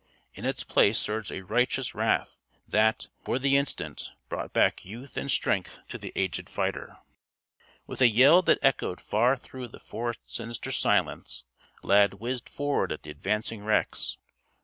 In its place surged a righteous wrath that, for the instant, brought back youth and strength to the aged fighter. With a yell that echoed far through the forest's sinister silence, Lad whizzed forward at the advancing Rex.